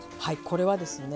これはですね